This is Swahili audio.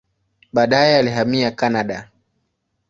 Baadaye alihamia Kanada.